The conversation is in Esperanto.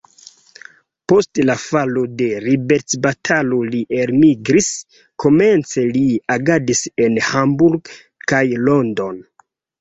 Post la falo de liberecbatalo li elmigris, komence li agadis en Hamburg kaj London.